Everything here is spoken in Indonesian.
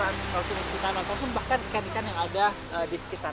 atau bahkan ikan ikan yang ada di sekitar